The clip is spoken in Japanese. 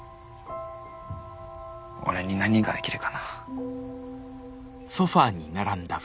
俺に何ができるかな。